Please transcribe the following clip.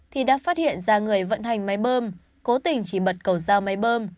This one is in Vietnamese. thì đã phát hiện ra người vận hành máy bơm cố tình chỉ bật cầu giao máy bơm